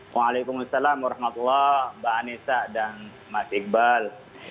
waalaikumsalam warahmatullahi wabarakatuh mbak anissa dan mas iqbal